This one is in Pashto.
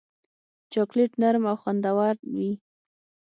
چاکلېټ نرم او خوندور وي.